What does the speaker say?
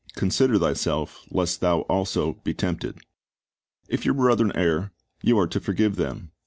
Consider "thyself, lest thou also be tempted."^ If your brethren err, you are to forgive them.